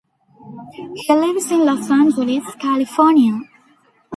He lives in Los Angeles, California.